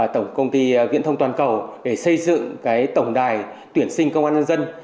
tổng công ty viễn thông toàn cầu để xây dựng tổng đài tuyển sinh công an nhân dân